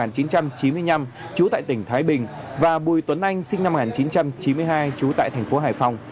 đỗ văn hoàng sinh năm một nghìn chín trăm chín mươi năm trú tại tỉnh thái bình và bùi tuấn anh sinh năm một nghìn chín trăm chín mươi hai trú tại thành phố hải phòng